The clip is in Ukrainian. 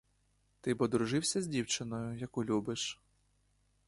Ти б одружився з дівчиною, яку любиш?